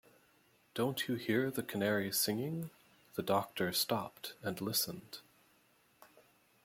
“Don’t you hear the canaries singing?” The Doctor stopped and listened.